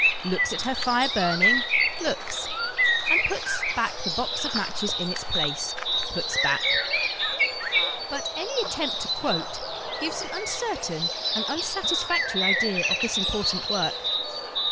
Looks at her fire burning, looks. And puts back the box of matches in its place, puts back? But any attempt to quote gives an uncertain and unsatisfactory idea of this important work.